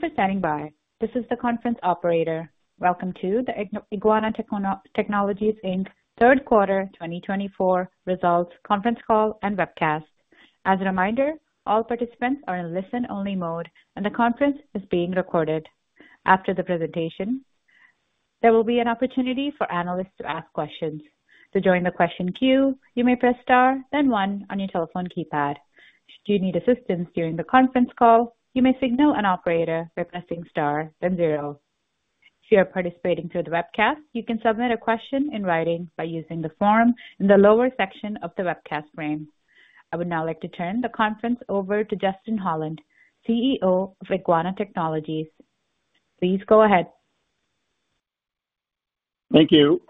Thank you for standing by. This is the conference operator. Welcome to the Eguana Technologies Inc. Third Quarter 2024 Results Conference Call and Webcast. As a reminder, all participants are in listen-only mode, and the conference is being recorded. After the presentation, there will be an opportunity for analysts to ask questions. To join the question queue, you may press star, then one, on your telephone keypad. Should you need assistance during the conference call, you may signal an operator by pressing star, then zero. If you are participating through the webcast, you can submit a question in writing by using the form in the lower section of the webcast frame. I would now like to turn the conference over to Justin Holland, CEO of Eguana Technologies. Please go ahead. Thank you.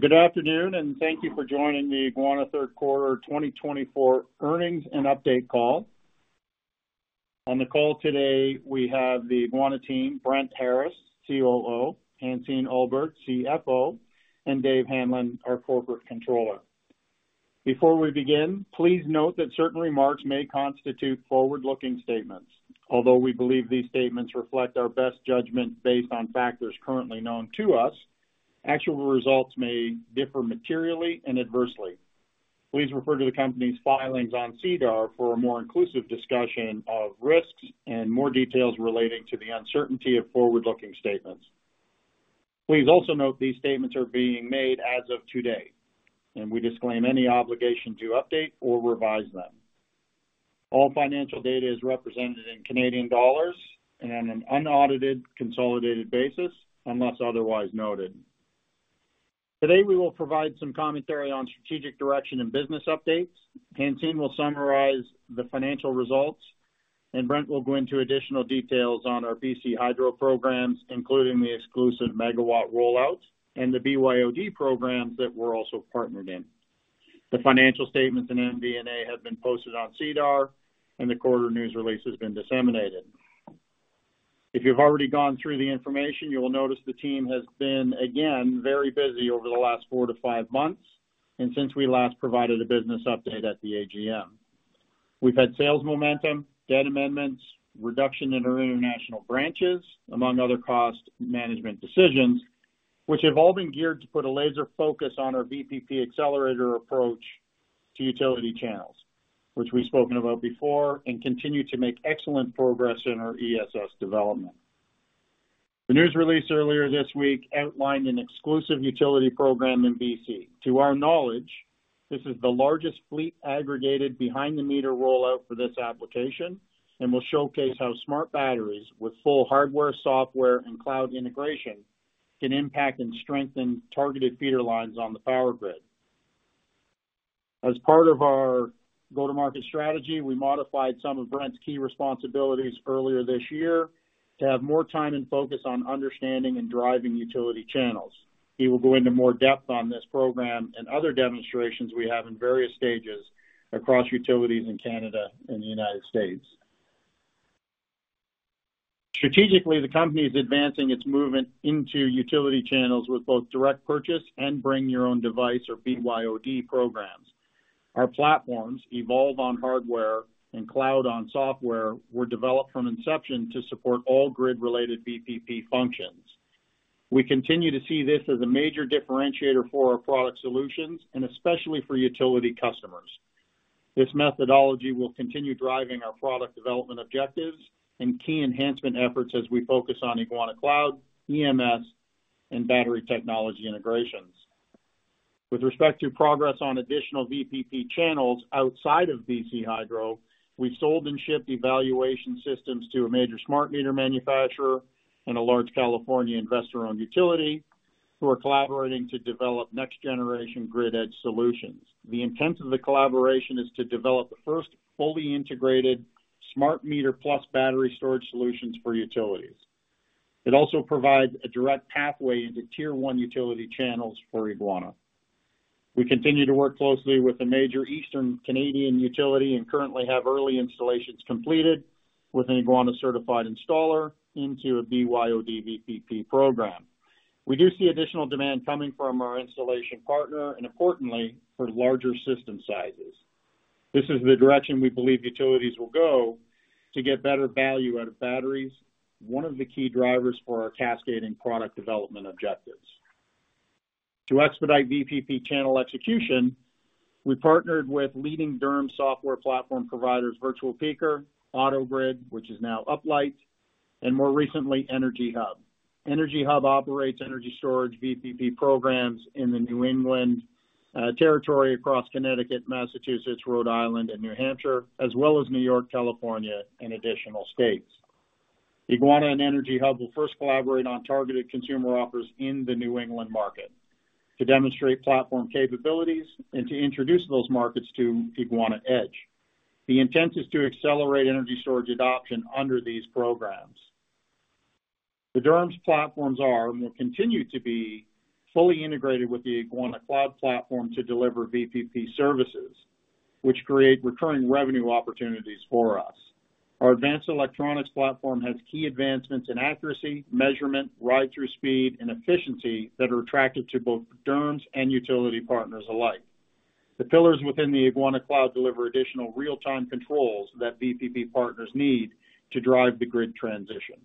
Good afternoon, and thank you for joining the Eguana Third Quarter 2024 Earnings and Update Call. On the call today, we have the Eguana team, Brent Harris, COO, Hansine Ullberg, CFO, and Dave Hanlon, our corporate controller. Before we begin, please note that certain remarks may constitute forward-looking statements. Although we believe these statements reflect our best judgment based on factors currently known to us, actual results may differ materially and adversely. Please refer to the company's filings on SEDAR for a more inclusive discussion of risks and more details relating to the uncertainty of forward-looking statements. Please also note these statements are being made as of today, and we disclaim any obligation to update or revise them. All financial data is represented in Canadian dollars and on an unaudited, consolidated basis unless otherwise noted. Today, we will provide some commentary on strategic direction and business updates. Hansine will summarize the financial results, and Brent will go into additional details on our BC Hydro programs, including the exclusive megawatt rollout and the BYOD programs that we're also partnered in. The financial statements and MD&A have been posted on SEDAR, and the quarter news release has been disseminated. If you've already gone through the information, you will notice the team has been, again, very busy over the last four to five months and since we last provided a business update at the AGM. We've had sales momentum, debt amendments, reduction in our international branches, among other cost management decisions, which have all been geared to put a laser focus on our VPP accelerator approach to utility channels, which we've spoken about before, and continue to make excellent progress in our ESS development. The news release earlier this week outlined an exclusive utility program in BC. To our knowledge, this is the largest fleet aggregated behind-the-meter rollout for this application and will showcase how smart batteries with full hardware, software, and cloud integration can impact and strengthen targeted feeder lines on the power grid. As part of our go-to-market strategy, we modified some of Brent's key responsibilities earlier this year to have more time and focus on understanding and driving utility channels. He will go into more depth on this program and other demonstrations we have in various stages across utilities in Canada and the United States. Strategically, the company is advancing its movement into utility channels with both direct purchase and bring-your-own-device, or BYOD, programs. Our platforms, Evolve on Hardware and Cloud on Software, were developed from inception to support all grid-related VPP functions. We continue to see this as a major differentiator for our product solutions and especially for utility customers. This methodology will continue driving our product development objectives and key enhancement efforts as we focus on Eguana Cloud, EMS, and battery technology integrations. With respect to progress on additional VPP channels outside of BC Hydro, we've sold and shipped evaluation systems to a major smart meter manufacturer and a large California investor-owned utility who are collaborating to develop next-generation grid-edge solutions. The intent of the collaboration is to develop the first fully integrated smart meter plus battery storage solutions for utilities. It also provides a direct pathway into tier-one utility channels for Eguana. We continue to work closely with a major Eastern Canadian utility and currently have early installations completed with an Eguana-certified installer into a BYOD VPP program. We do see additional demand coming from our installation partner and, importantly, for larger system sizes. This is the direction we believe utilities will go to get better value out of batteries, one of the key drivers for our cascading product development objectives. To expedite VPP channel execution, we partnered with leading DERMS software platform providers, Virtual Peaker, AutoGrid, which is now Uplight, and more recently, EnergyHub. EnergyHub operates energy storage VPP programs in the New England territory across Connecticut, Massachusetts, Rhode Island, and New Hampshire, as well as New York, California, and additional states. Eguana and EnergyHub will first collaborate on targeted consumer offers in the New England market to demonstrate platform capabilities and to introduce those markets to Eguana Edge. The intent is to accelerate energy storage adoption under these programs. The DERMS platforms are and will continue to be fully integrated with the Eguana Cloud platform to deliver VPP services, which create recurring revenue opportunities for us. Our advanced electronics platform has key advancements in accuracy, measurement, ride-through speed, and efficiency that are attractive to both DERMS and utility partners alike. The pillars within the Eguana Cloud deliver additional real-time controls that VPP partners need to drive the grid transition.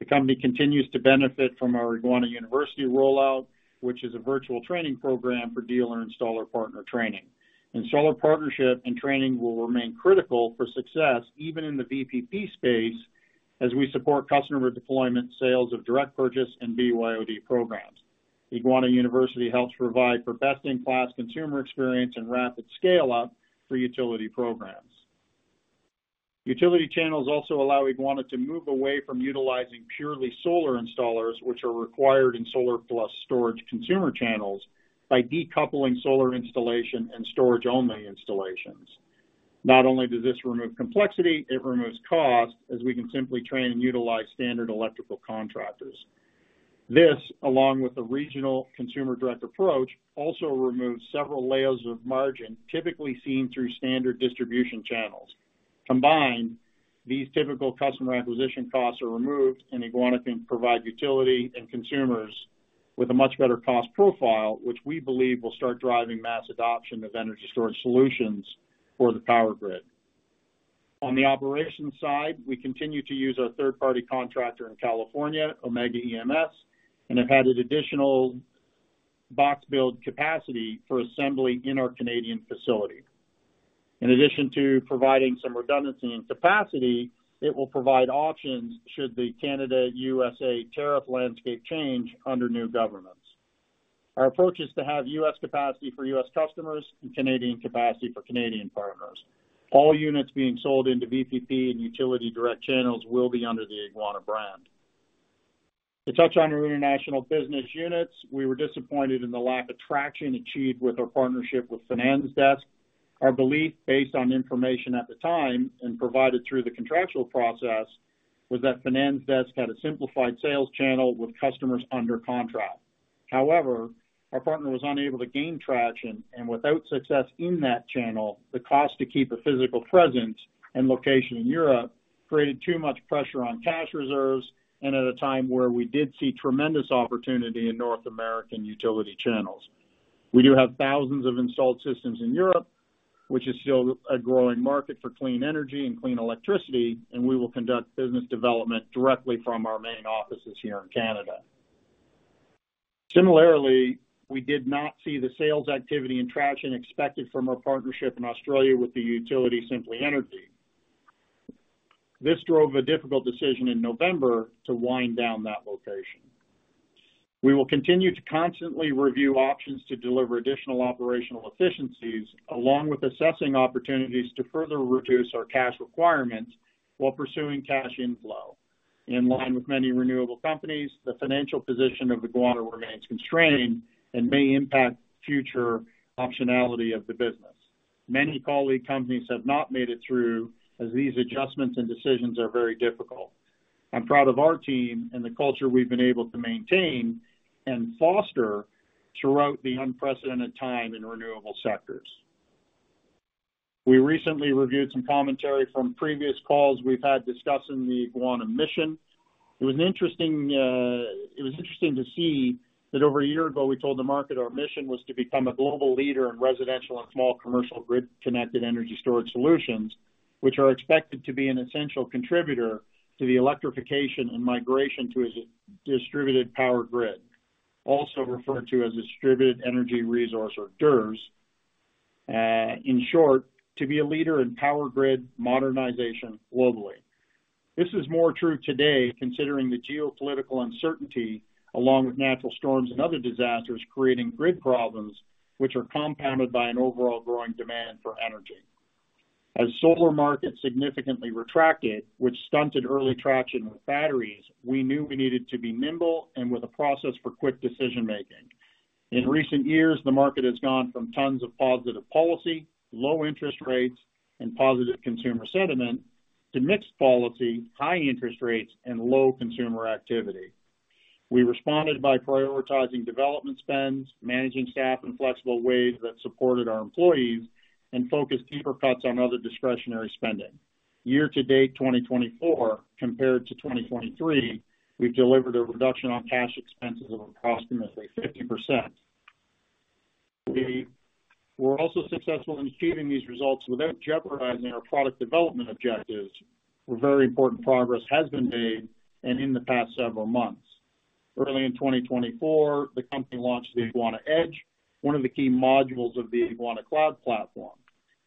The company continues to benefit from our Eguana University rollout, which is a virtual training program for dealer-installer partner training. Installer partnership and training will remain critical for success even in the VPP space as we support customer deployment, sales of direct purchase, and BYOD programs. Eguana University helps provide for best-in-class consumer experience and rapid scale-up for utility programs. Utility channels also allow Eguana to move away from utilizing purely solar installers, which are required in solar-plus storage consumer channels, by decoupling solar installation and storage-only installations. Not only does this remove complexity, it removes cost as we can simply train and utilize standard electrical contractors. This, along with a regional consumer-direct approach, also removes several layers of margin typically seen through standard distribution channels. Combined, these typical customer acquisition costs are removed, and Eguana can provide utility and consumers with a much better cost profile, which we believe will start driving mass adoption of energy storage solutions for the power grid. On the operations side, we continue to use our third-party contractor in California, Omega EMS, and have added additional box-build capacity for assembly in our Canadian facility. In addition to providing some redundancy and capacity, it will provide options should the Canada-U.S. tariff landscape change under new governments. Our approach is to have U.S. capacity for U.S. customers and Canadian capacity for Canadian partners. All units being sold into VPP and utility direct channels will be under the Eguana brand. To touch on our international business units, we were disappointed in the lack of traction achieved with our partnership with FinanzDesk. Our belief, based on information at the time and provided through the contractual process, was that FinanzDesk had a simplified sales channel with customers under contract. However, our partner was unable to gain traction, and without success in that channel, the cost to keep a physical presence and location in Europe created too much pressure on cash reserves and at a time where we did see tremendous opportunity in North American utility channels. We do have thousands of installed systems in Europe, which is still a growing market for clean energy and clean electricity, and we will conduct business development directly from our main offices here in Canada. Similarly, we did not see the sales activity and traction expected from our partnership in Australia with the utility Simply Energy. This drove a difficult decision in November to wind down that location. We will continue to constantly review options to deliver additional operational efficiencies, along with assessing opportunities to further reduce our cash requirements while pursuing cash inflow. In line with many renewable companies, the financial position of Eguana remains constrained and may impact future optionality of the business. Many colleague companies have not made it through as these adjustments and decisions are very difficult. I'm proud of our team and the culture we've been able to maintain and foster throughout the unprecedented time in renewable sectors. We recently reviewed some commentary from previous calls we've had discussing the Eguana mission. It was interesting to see that over a year ago, we told the market our mission was to become a global leader in residential and small commercial grid-connected energy storage solutions, which are expected to be an essential contributor to the electrification and migration to a distributed power grid, also referred to as a distributed energy resource, or DERs. In short, to be a leader in power grid modernization globally. This is more true today, considering the geopolitical uncertainty, along with natural storms and other disasters creating grid problems, which are compounded by an overall growing demand for energy. As solar markets significantly retracted, which stunted early traction with batteries, we knew we needed to be nimble and with a process for quick decision-making. In recent years, the market has gone from tons of positive policy, low interest rates, and positive consumer sentiment to mixed policy, high interest rates, and low consumer activity. We responded by prioritizing development spends, managing staff in flexible ways that supported our employees, and focused deeper cuts on other discretionary spending. Year-to-date 2024, compared to 2023, we've delivered a reduction on cash expenses of approximately 50%. We were also successful in achieving these results without jeopardizing our product development objectives, where very important progress has been made and in the past several months. Early in 2024, the company launched the Eguana Edge, one of the key modules of the Eguana Cloud platform.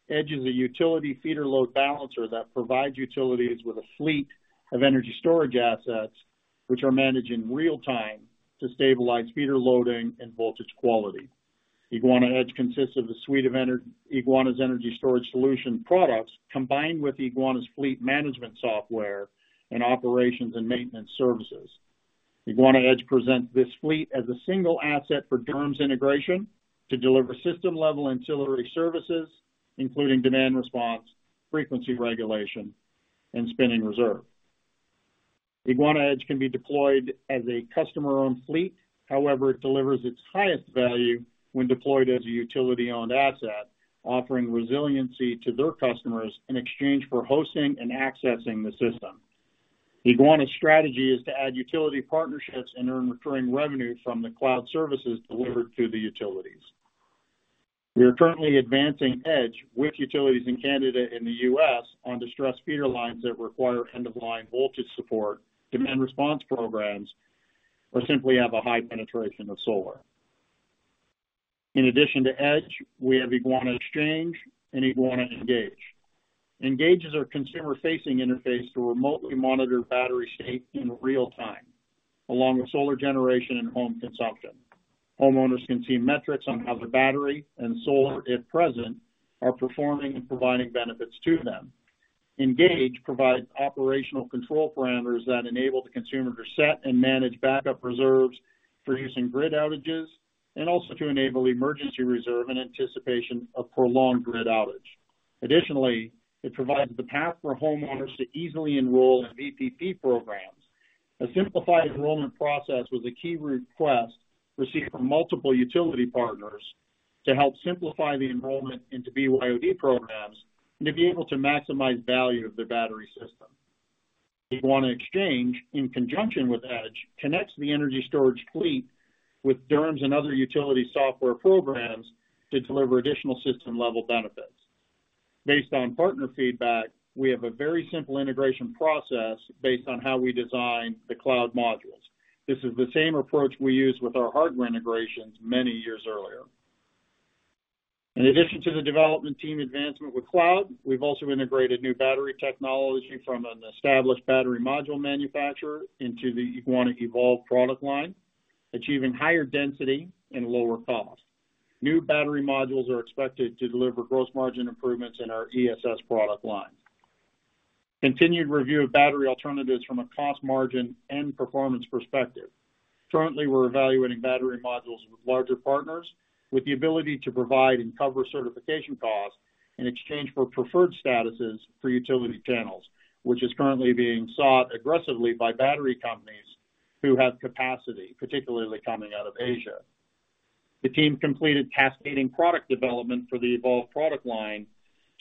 Edge is a utility feeder load balancer that provides utilities with a fleet of energy storage assets, which are managed in real time to stabilize feeder loading and voltage quality. Eguana Edge consists of the suite of Eguana's energy storage solution products combined with Eguana's fleet management software and operations and maintenance services. Eguana Edge presents this fleet as a single asset for DERMS integration to deliver system-level ancillary services, including demand response, frequency regulation, and spinning reserve. Eguana Edge can be deployed as a customer-owned fleet. However, it delivers its highest value when deployed as a utility-owned asset, offering resiliency to their customers in exchange for hosting and accessing the system. Eguana's strategy is to add utility partnerships and earn recurring revenue from the cloud services delivered to the utilities. We are currently advancing Edge with utilities in Canada and the US on distressed feeder lines that require end-of-line voltage support, demand response programs, or simply have a high penetration of solar. In addition to Edge, we have Eguana Exchange and Eguana Engage. Engage is our consumer-facing interface to remotely monitor battery state in real time, along with solar generation and home consumption. Homeowners can see metrics on how the battery and solar, if present, are performing and providing benefits to them. Engage provides operational control parameters that enable the consumer to set and manage backup reserves for using grid outages and also to enable emergency reserve in anticipation of prolonged grid outage. Additionally, it provides the path for homeowners to easily enroll in VPP programs. A simplified enrollment process was a key request received from multiple utility partners to help simplify the enrollment into BYOD programs and to be able to maximize value of their battery system. Eguana Exchange, in conjunction with Edge, connects the energy storage fleet with DERMS and other utility software programs to deliver additional system-level benefits. Based on partner feedback, we have a very simple integration process based on how we design the cloud modules. This is the same approach we used with our hardware integrations many years earlier. In addition to the development team advancement with cloud, we've also integrated new battery technology from an established battery module manufacturer into the Eguana Evolve product line, achieving higher density and lower cost. New battery modules are expected to deliver gross margin improvements in our ESS product line. Continued review of battery alternatives from a cost margin and performance perspective. Currently, we're evaluating battery modules with larger partners with the ability to provide and cover certification costs in exchange for preferred statuses for utility channels, which is currently being sought aggressively by battery companies who have capacity, particularly coming out of Asia. The team completed cascading product development for the Evolve product line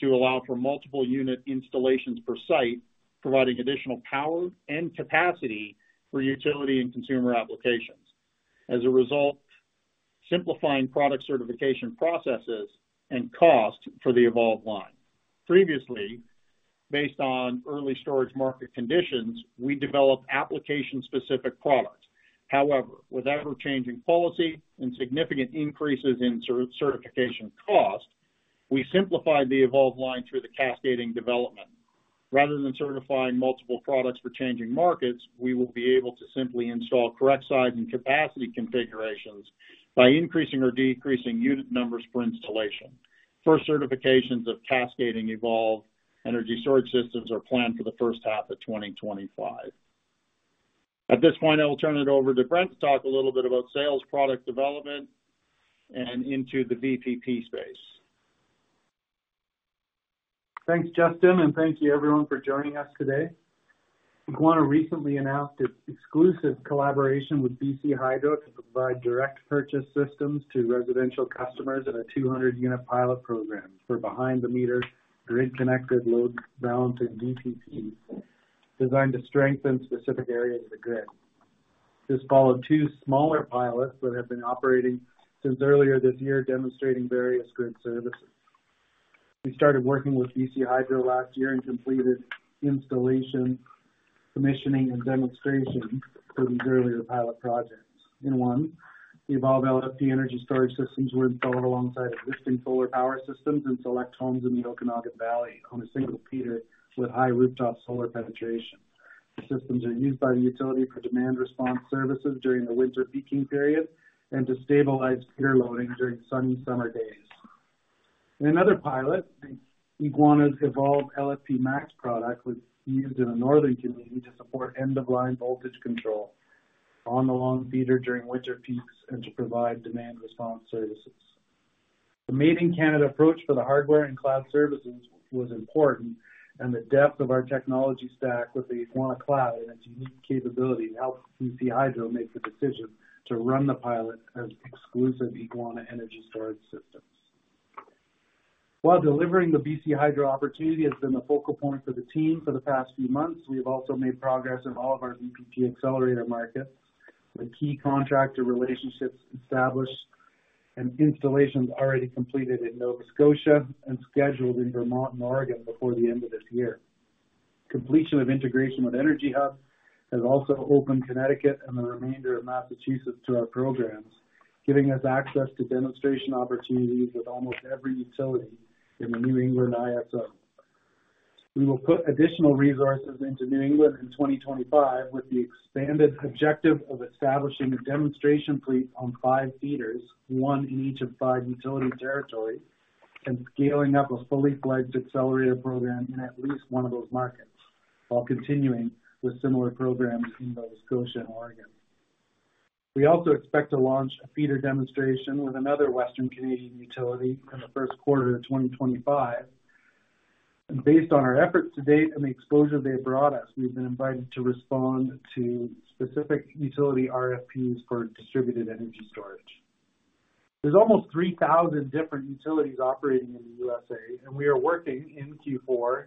to allow for multiple unit installations per site, providing additional power and capacity for utility and consumer applications. As a result, simplifying product certification processes and cost for the Evolve line. Previously, based on early storage market conditions, we developed application-specific products. However, with ever-changing policy and significant increases in certification cost, we simplified the Evolve line through the cascading development. Rather than certifying multiple products for changing markets, we will be able to simply install correct size and capacity configurations by increasing or decreasing unit numbers for installation. First certifications of cascading Evolve energy storage systems are planned for the first half of 2025. At this point, I will turn it over to Brent to talk a little bit about sales product development and into the VPP space. Thanks, Justin, and thank you, everyone, for joining us today. Eguana recently announced its exclusive collaboration with BC Hydro to provide direct purchase systems to residential customers in a 200-unit pilot program for behind-the-meter grid-connected load balancing VPP designed to strengthen specific areas of the grid. This followed two smaller pilots that have been operating since earlier this year, demonstrating various grid services. We started working with BC Hydro last year and completed installation, commissioning, and demonstration for these earlier pilot projects. In one, the Evolve LFP energy storage systems were installed alongside existing solar power systems in select homes in the Okanagan Valley on a single feeder with high rooftop solar penetration. The systems are used by the utility for demand response services during the winter peaking period and to stabilize feeder loading during sunny summer days. In another pilot, Eguana's Evolve LFP Max product was used in a northern community to support end-of-line voltage control on the long feeder during winter peaks and to provide demand response services. The made in Canada approach for the hardware and cloud services was important, and the depth of our technology stack with the Eguana Cloud and its unique capability helped BC Hydro make the decision to run the pilot as exclusive Eguana energy storage systems. While delivering the BC Hydro opportunity has been a focal point for the team for the past few months, we have also made progress in all of our VPP accelerator markets with key contractor relationships established and installations already completed in Nova Scotia and scheduled in Vermont and Oregon before the end of this year. Completion of integration with EnergyHub has also opened Connecticut and the remainder of Massachusetts to our programs, giving us access to demonstration opportunities with almost every utility in the New England ISO. We will put additional resources into New England in 2025 with the expanded objective of establishing a demonstration fleet on five feeders, one in each of five utility territories, and scaling up a fully fledged accelerator program in at least one of those markets while continuing with similar programs in Nova Scotia and Oregon. We also expect to launch a feeder demonstration with another Western Canadian utility in the first quarter of 2025. Based on our efforts to date and the exposure they've brought us, we've been invited to respond to specific utility RFPs for distributed energy storage. There's almost 3,000 different utilities operating in the USA, and we are working in Q4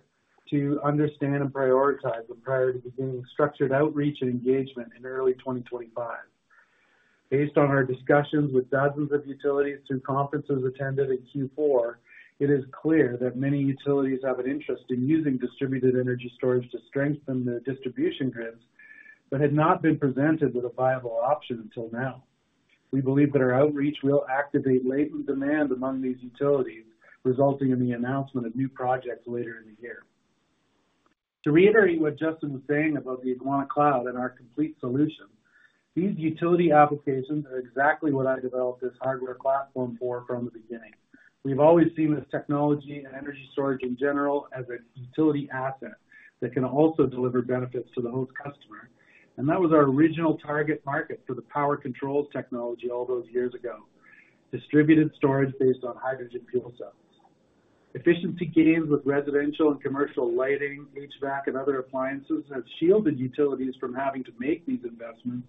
to understand and prioritize the priority of being structured outreach and engagement in early 2025. Based on our discussions with dozens of utilities through conferences attended in Q4, it is clear that many utilities have an interest in using distributed energy storage to strengthen their distribution grids but had not been presented with a viable option until now. We believe that our outreach will activate latent demand among these utilities, resulting in the announcement of new projects later in the year. To reiterate what Justin was saying about the Eguana Cloud and our complete solution, these utility applications are exactly what I developed this hardware platform for from the beginning. We've always seen this technology and energy storage in general as a utility asset that can also deliver benefits to the host customer, and that was our original target market for the power controls technology all those years ago: distributed storage based on hydrogen fuel cells. Efficiency gains with residential and commercial lighting, HVAC, and other appliances have shielded utilities from having to make these investments,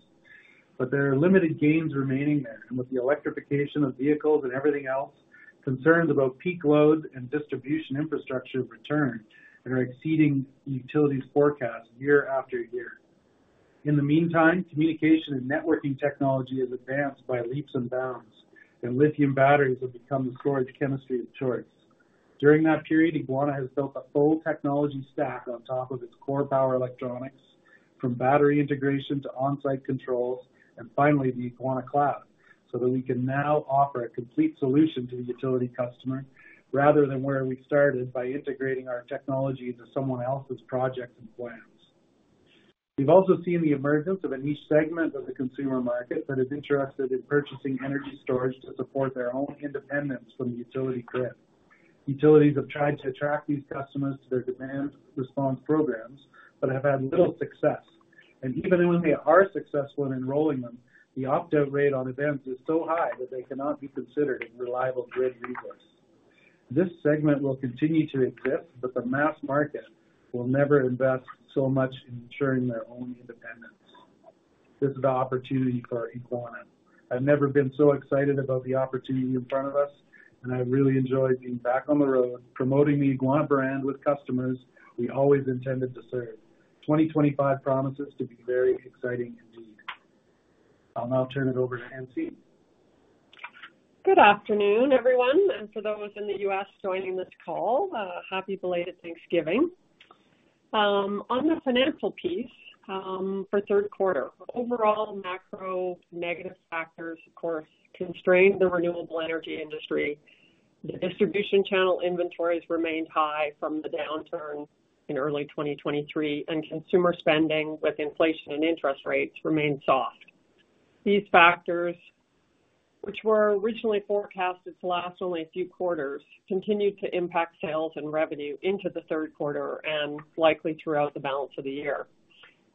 but there are limited gains remaining there, and with the electrification of vehicles and everything else, concerns about peak load and distribution infrastructure have returned and are exceeding utilities' forecast year after year. In the meantime, communication and networking technology has advanced by leaps and bounds, and lithium batteries have become the storage chemistry of choice. During that period, Eguana has built a full technology stack on top of its core power electronics, from battery integration to on-site controls, and finally, the Eguana Cloud, so that we can now offer a complete solution to the utility customer rather than where we started by integrating our technology into someone else's projects and plans. We've also seen the emergence of a niche segment of the consumer market that is interested in purchasing energy storage to support their own independence from the utility grid. Utilities have tried to attract these customers to their demand response programs but have had little success, and even when they are successful in enrolling them, the opt-out rate on events is so high that they cannot be considered a reliable grid resource. This segment will continue to exist, but the mass market will never invest so much in ensuring their own independence. This is the opportunity for Eguana. I've never been so excited about the opportunity in front of us, and I really enjoy being back on the road promoting the Eguana brand with customers we always intended to serve. 2025 promises to be very exciting indeed. I'll now turn it over to Hansine. Good afternoon, everyone, and for those in the U.S. joining this call, happy belated Thanksgiving. On the financial piece for third quarter, overall macro negative factors, of course, constrained the renewable energy industry. The distribution channel inventories remained high from the downturn in early 2023, and consumer spending with inflation and interest rates remained soft. These factors, which were originally forecasted to last only a few quarters, continued to impact sales and revenue into the third quarter and likely throughout the balance of the year.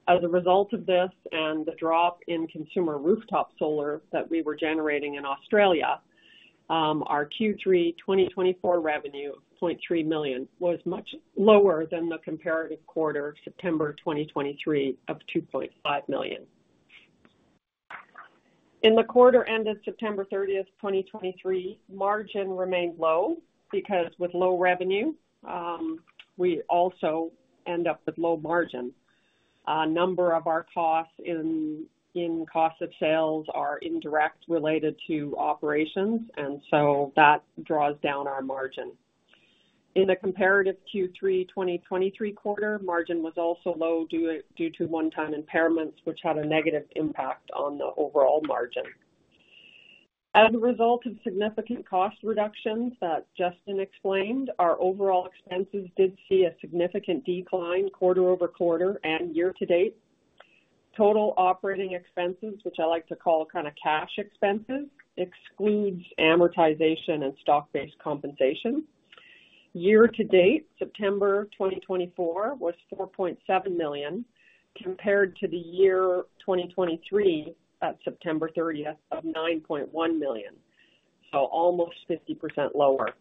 As a result of this and the drop in consumer rooftop solar that we were generating in Australia, our Q3 2024 revenue of CAD 0.3 million was much lower than the comparative quarter, September 2023, of 2.5 million. In the quarter ended September 30, 2023, margin remained low because with low revenue, we also end up with low margin. A number of our costs in cost of sales are indirectly related to operations, and so that draws down our margin. In the comparative Q3 2023 quarter, margin was also low due to one-time impairments, which had a negative impact on the overall margin. As a result of significant cost reductions that Justin explained, our overall expenses did see a significant decline quarter-over-quarter and year to date. Total operating expenses, which I like to call kind of cash expenses, excludes amortization and stock-based compensation. Year to date, September 2024 was 4.7 million compared to the year 2023 at September 30 of 9.1 million, so almost 50% lower.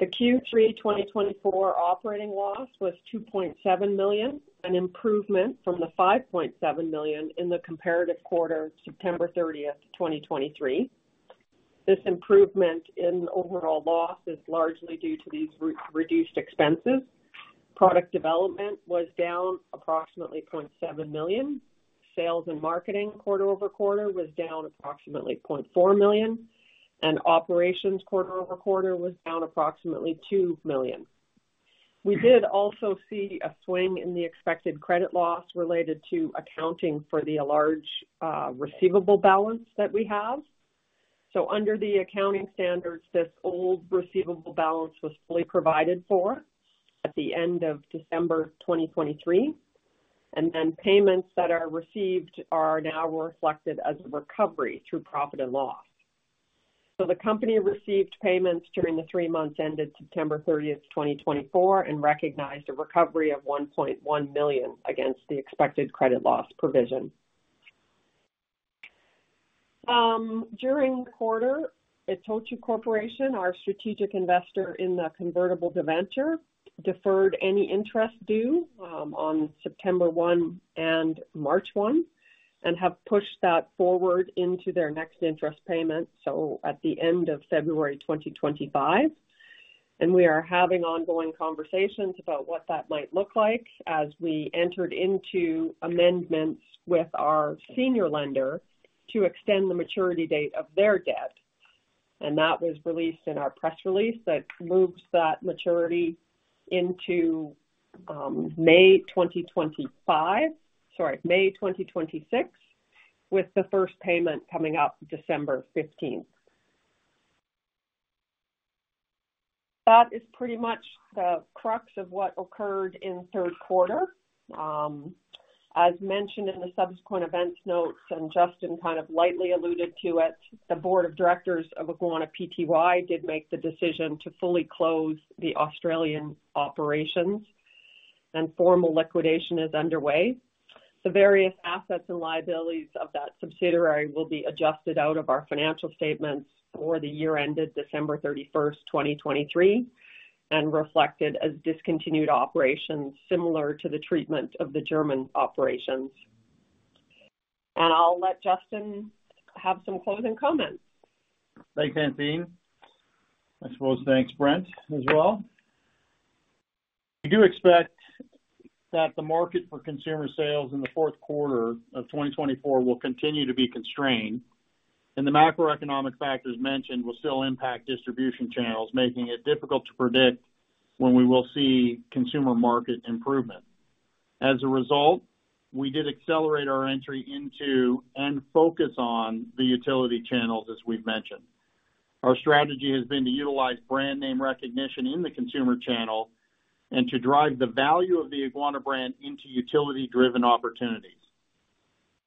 The Q3 2024 operating loss was 2.7 million, an improvement from the 5.7 million in the comparative quarter, September 30, 2023. This improvement in overall loss is largely due to these reduced expenses. Product development was down approximately 0.7 million. Sales and marketing quarter over quarter was down approximately 0.4 million, and operations quarter over quarter was down approximately 2 million. We did also see a swing in the expected credit loss related to accounting for the large receivable balance that we have. So under the accounting standards, this old receivable balance was fully provided for at the end of December 2023, and then payments that are received are now reflected as a recovery through profit and loss. The company received payments during the three months ended September 30, 2024, and recognized a recovery of 1.1 million against the expected credit loss provision. During the quarter, Itochu Corporation, our strategic investor in the convertible debenture, deferred any interest due on September 1 and March 1 and have pushed that forward into their next interest payment, so at the end of February 2025. We are having ongoing conversations about what that might look like as we entered into amendments with our senior lender to extend the maturity date of their debt. That was released in our press release that moves that maturity into May 2025, sorry, May 2026, with the first payment coming up December 15. That is pretty much the crux of what occurred in third quarter. As mentioned in the subsequent events notes, and Justin kind of lightly alluded to it, the board of directors of Eguana PTY did make the decision to fully close the Australian operations, and formal liquidation is underway. The various assets and liabilities of that subsidiary will be adjusted out of our financial statements for the year ended December 31st, 2023, and reflected as discontinued operations similar to the treatment of the German operations. And I'll let Justin have some closing comments. Thanks, Hansine. I suppose thanks, Brent, as well. We do expect that the market for consumer sales in the fourth quarter of 2024 will continue to be constrained, and the macroeconomic factors mentioned will still impact distribution channels, making it difficult to predict when we will see consumer market improvement. As a result, we did accelerate our entry into and focus on the utility channels, as we've mentioned. Our strategy has been to utilize brand name recognition in the consumer channel and to drive the value of the Eguana brand into utility-driven opportunities.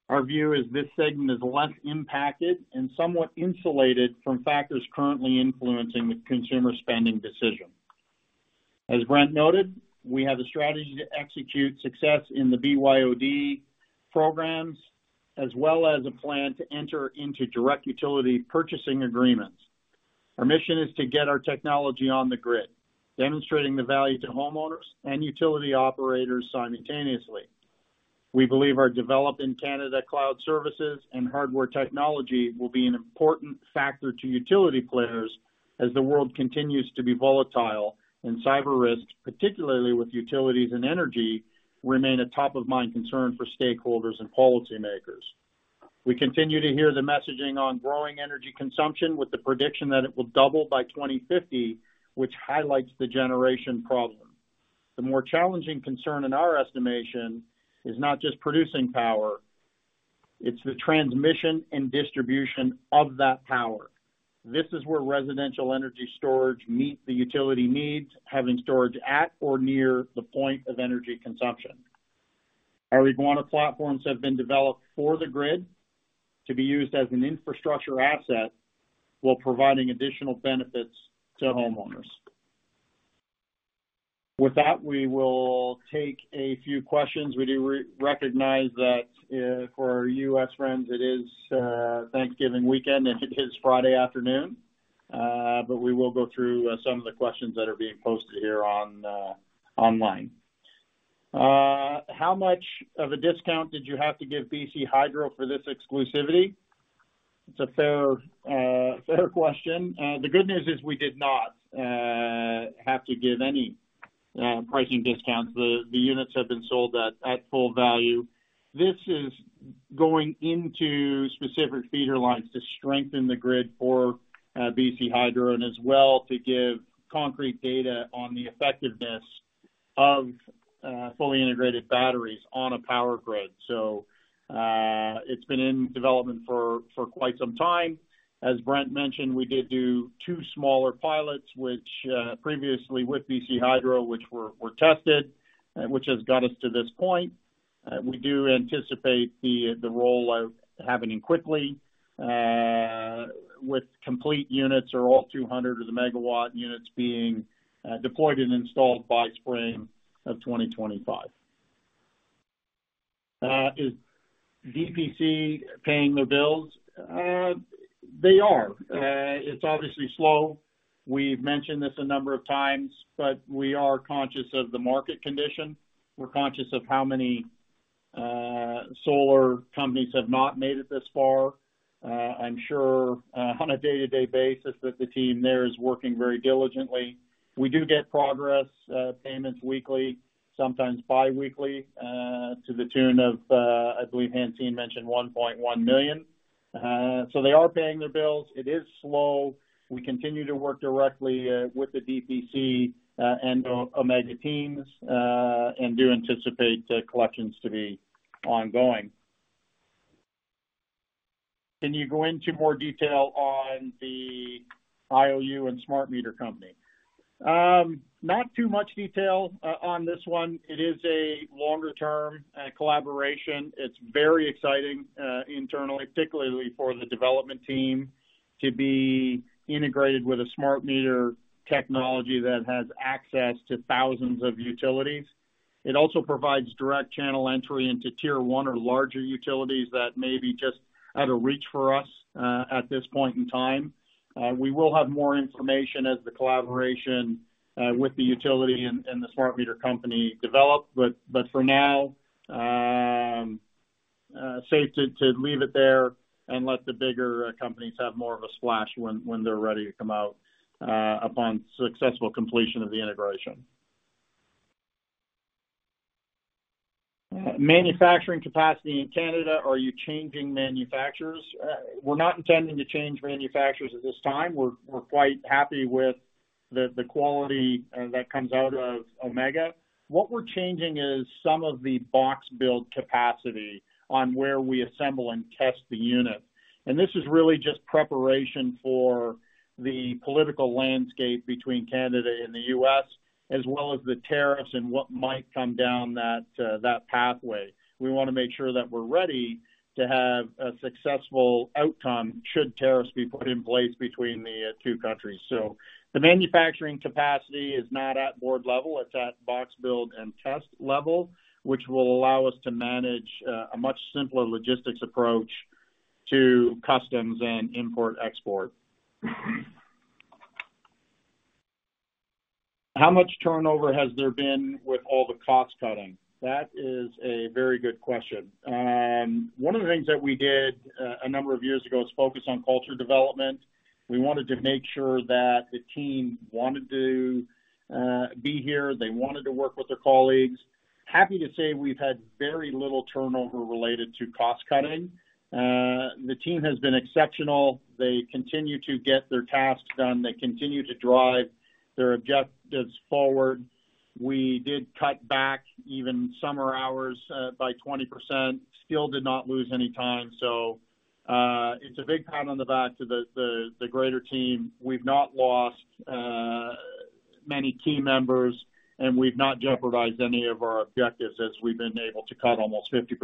Our view is this segment is less impacted and somewhat insulated from factors currently influencing the consumer spending decision. As Brent noted, we have a strategy to execute success in the BYOD programs, as well as a plan to enter into direct utility purchasing agreements. Our mission is to get our technology on the grid, demonstrating the value to homeowners and utility operators simultaneously. We believe our developed in Canada cloud services and hardware technology will be an important factor to utility players as the world continues to be volatile and cyber risks, particularly with utilities and energy, remain a top-of-mind concern for stakeholders and policymakers. We continue to hear the messaging on growing energy consumption with the prediction that it will double by 2050, which highlights the generation problem. The more challenging concern, in our estimation, is not just producing power. It's the transmission and distribution of that power. This is where residential energy storage meets the utility needs, having storage at or near the point of energy consumption. Our Eguana platforms have been developed for the grid to be used as an infrastructure asset, while providing additional benefits to homeowners. With that, we will take a few questions. We do recognize that for our U.S. friends, it is Thanksgiving weekend, and it is Friday afternoon, but we will go through some of the questions that are being posted here online. How much of a discount did you have to give BC Hydro for this exclusivity? It's a fair question. The good news is we did not have to give any pricing discounts. The units have been sold at full value. This is going into specific feeder lines to strengthen the grid for BC Hydro and as well to give concrete data on the effectiveness of fully integrated batteries on a power grid. So it's been in development for quite some time. As Brent mentioned, we did do two smaller pilots, which previously with BC Hydro, which were tested, which has got us to this point. We do anticipate the roll-out happening quickly with complete units or all 200 of the megawatt units being deployed and installed by spring of 2025. Is DPC paying their bills? They are. It's obviously slow. We've mentioned this a number of times, but we are conscious of the market condition. We're conscious of how many solar companies have not made it this far. I'm sure on a day-to-day basis that the team there is working very diligently. We do get progress payments weekly, sometimes biweekly, to the tune of, I believe Hansine mentioned, 1.1 million. So they are paying their bills. It is slow. We continue to work directly with the DPC and Omega teams and do anticipate collections to be ongoing. Can you go into more detail on the IOU and Smart Meter Company? Not too much detail on this one. It is a longer-term collaboration. It's very exciting internally, particularly for the development team to be integrated with a Smart Meter technology that has access to thousands of utilities. It also provides direct channel entry into tier one or larger utilities that may be just out of reach for us at this point in time. We will have more information as the collaboration with the utility and the Smart Meter Company develops, but for now, safe to leave it there and let the bigger companies have more of a splash when they're ready to come out upon successful completion of the integration. Manufacturing capacity in Canada, are you changing manufacturers? We're not intending to change manufacturers at this time. We're quite happy with the quality that comes out of Omega. What we're changing is some of the box build capacity on where we assemble and test the unit. And this is really just preparation for the political landscape between Canada and the U.S., as well as the tariffs and what might come down that pathway. We want to make sure that we're ready to have a successful outcome should tariffs be put in place between the two countries. So the manufacturing capacity is not at board level. It's at box build and test level, which will allow us to manage a much simpler logistics approach to customs and import-export. How much turnover has there been with all the cost cutting? That is a very good question. One of the things that we did a number of years ago is focus on culture development. We wanted to make sure that the team wanted to be here. They wanted to work with their colleagues. Happy to say we've had very little turnover related to cost cutting. The team has been exceptional. They continue to get their tasks done. They continue to drive their objectives forward. We did cut back even summer hours by 20%, still did not lose any time. So it's a big pat on the back to the greater team. We've not lost many team members, and we've not jeopardized any of our objectives as we've been able to cut almost 50%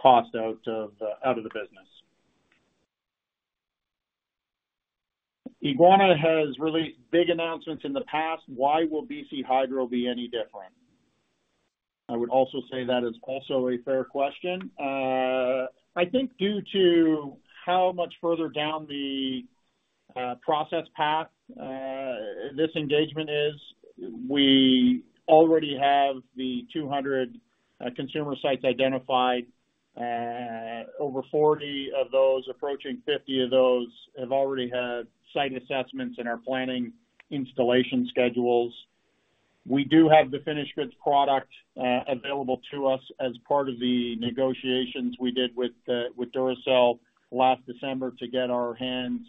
cost out of the business. Eguana has released big announcements in the past. Why will BC Hydro be any different? I would also say that is also a fair question. I think due to how much further down the process path this engagement is, we already have the 200 consumer sites identified. Over 40 of those, approaching 50 of those have already had site assessments and are planning installation schedules. We do have the finished goods product available to us as part of the negotiations we did with Duracell last December to get our hands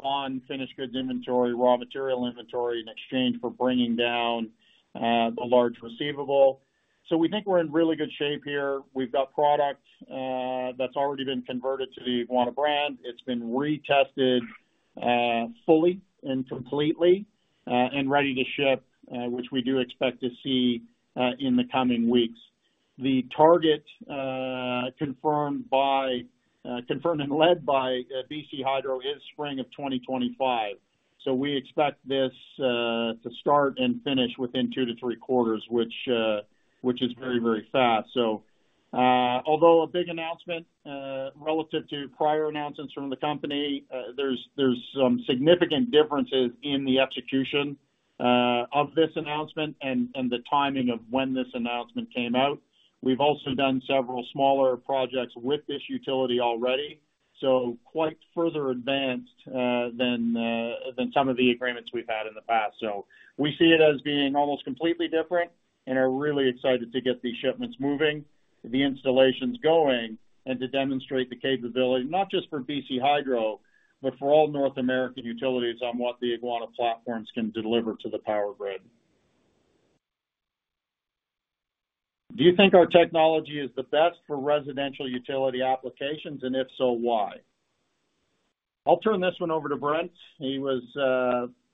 on finished goods inventory, raw material inventory, in exchange for bringing down a large receivable. So we think we're in really good shape here. We've got product that's already been converted to the Eguana brand. It's been retested fully and completely and ready to ship, which we do expect to see in the coming weeks. The target confirmed by and led by BC Hydro is spring of 2025. So we expect this to start and finish within two to three quarters, which is very, very fast. So although a big announcement relative to prior announcements from the company, there's some significant differences in the execution of this announcement and the timing of when this announcement came out. We've also done several smaller projects with this utility already, so quite further advanced than some of the agreements we've had in the past. So we see it as being almost completely different and are really excited to get these shipments moving, the installations going, and to demonstrate the capability, not just for BC Hydro, but for all North American utilities on what the Eguana platforms can deliver to the power grid. Do you think our technology is the best for residential utility applications, and if so, why? I'll turn this one over to Brent. He was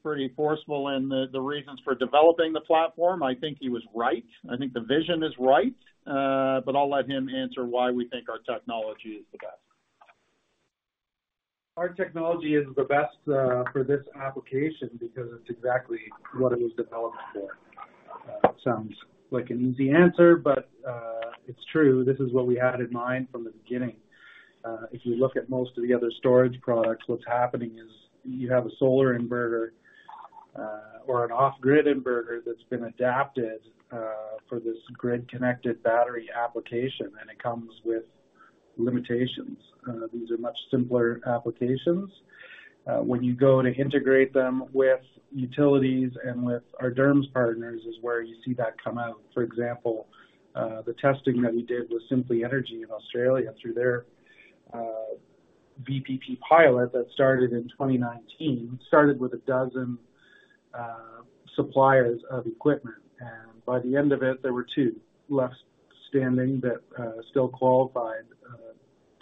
pretty forceful in the reasons for developing the platform. I think he was right. I think the vision is right, but I'll let him answer why we think our technology is the best. Our technology is the best for this application because it's exactly what it was developed for. Sounds like an easy answer, but it's true. This is what we had in mind from the beginning. If you look at most of the other storage products, what's happening is you have a solar inverter or an off-grid inverter that's been adapted for this grid-connected battery application, and it comes with limitations. These are much simpler applications. When you go to integrate them with utilities and with our DERMS partners is where you see that come out. For example, the testing that we did with Simply Energy in Australia through their VPP pilot that started in 2019, started with a dozen suppliers of equipment, and by the end of it, there were two left standing that still qualified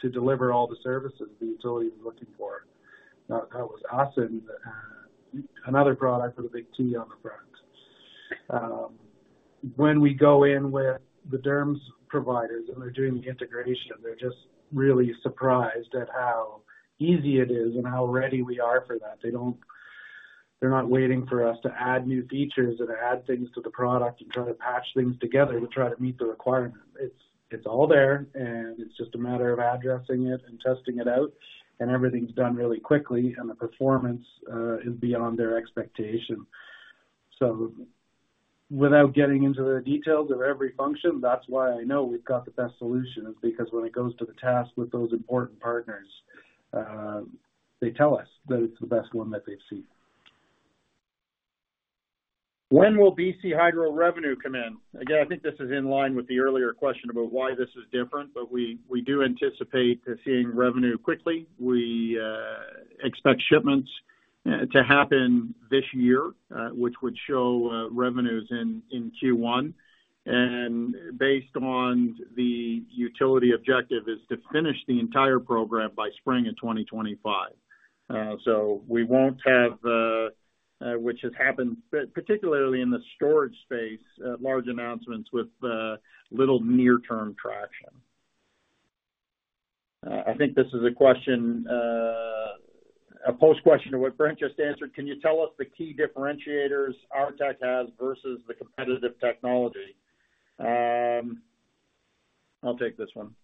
to deliver all the services the utility was looking for. That was us and another product with a big T on the front. When we go in with the DERMS providers and they're doing the integration, they're just really surprised at how easy it is and how ready we are for that. They're not waiting for us to add new features and add things to the product and try to patch things together to try to meet the requirement. It's all there, and it's just a matter of addressing it and testing it out, and everything's done really quickly, and the performance is beyond their expectation. So without getting into the details of every function, that's why I know we've got the best solution, is because when it goes to the task with those important partners, they tell us that it's the best one that they've seen. When will BC Hydro revenue come in? Again, I think this is in line with the earlier question about why this is different, but we do anticipate seeing revenue quickly. We expect shipments to happen this year, which would show revenues in Q1. And based on the utility objective is to finish the entire program by spring of 2025. So we won't have, which has happened particularly in the storage space, large announcements with little near-term traction. I think this is a question, a post-question to what Brent just answered. Can you tell us the key differentiators RTEC has versus the competitive technology? I'll take this one.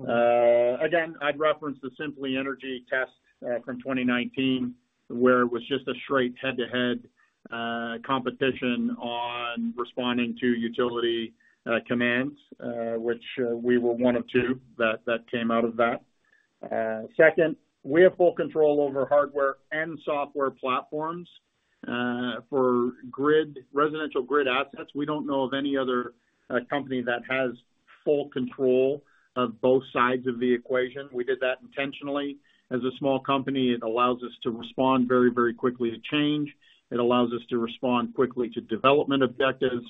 Again, I'd reference the Simply Energy test from 2019, where it was just a straight head-to-head competition on responding to utility commands, which we were one of two that came out of that. Second, we have full control over hardware and software platforms for residential grid assets. We don't know of any other company that has full control of both sides of the equation. We did that intentionally as a small company. It allows us to respond very, very quickly to change. It allows us to respond quickly to development objectives,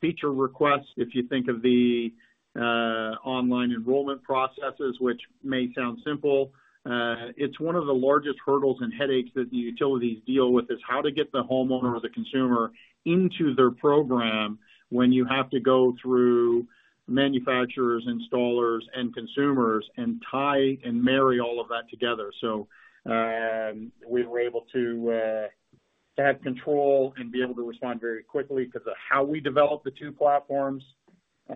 feature requests. If you think of the online enrollment processes, which may sound simple, it's one of the largest hurdles and headaches that the utilities deal with, is how to get the homeowner or the consumer into their program when you have to go through manufacturers, installers, and consumers and tie and marry all of that together. So we were able to have control and be able to respond very quickly because of how we developed the two platforms.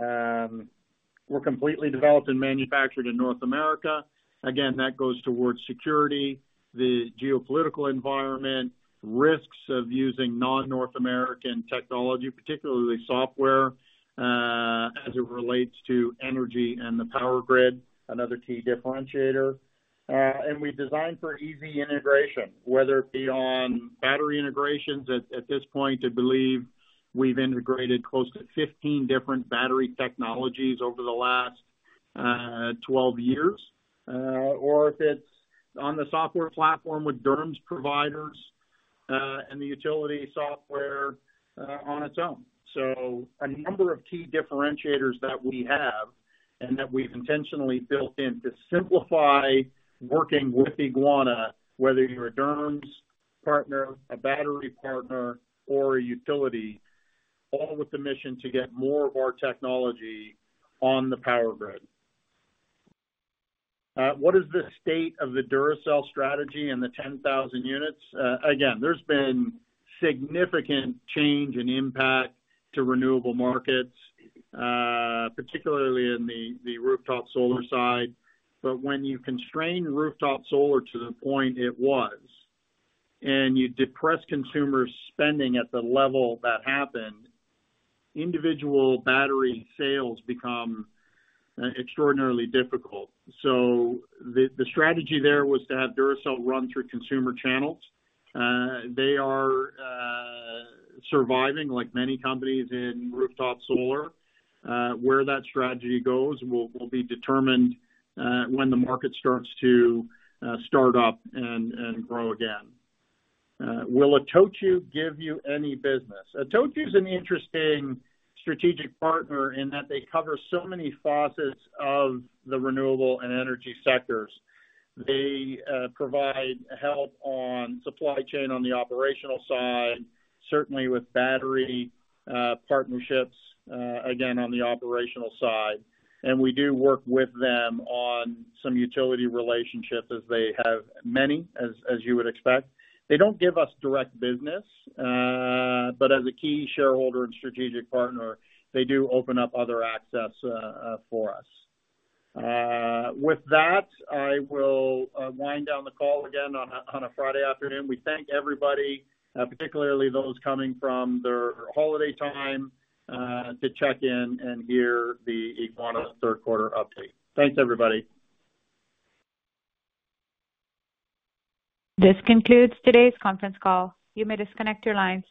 We're completely developed and manufactured in North America. Again, that goes towards security, the geopolitical environment, risks of using non-North American technology, particularly software as it relates to energy and the power grid, another key differentiator. We designed for easy integration, whether it be on battery integrations. At this point, I believe we've integrated close to 15 different battery technologies over the last 12 years, or if it's on the software platform with DERMS providers and the utility software on its own. A number of key differentiators that we have and that we've intentionally built in to simplify working with Eguana, whether you're a DERMS partner, a battery partner, or a utility, all with the mission to get more of our technology on the power grid. What is the state of the Duracell strategy and the 10,000 units? Again, there's been significant change and impact to renewable markets, particularly in the rooftop solar side. But when you constrain rooftop solar to the point it was and you depress consumer spending at the level that happened, individual battery sales become extraordinarily difficult. So the strategy there was to have Duracell run through consumer channels. They are surviving like many companies in rooftop solar. Where that strategy goes will be determined when the market starts up and grow again. Will Itochu give you any business? Itochu is an interesting strategic partner in that they cover so many facets of the renewable and energy sectors. They provide help on supply chain on the operational side, certainly with battery partnerships, again, on the operational side. And we do work with them on some utility relationships as they have many, as you would expect. They don't give us direct business, but as a key shareholder and strategic partner, they do open up other access for us. With that, I will wind down the call again on a Friday afternoon. We thank everybody, particularly those coming from their holiday time, to check in and hear the Eguana third-quarter update. Thanks, everybody. This concludes today's conference call. You may disconnect your lines.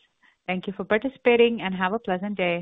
Thank you for participating and have a pleasant day.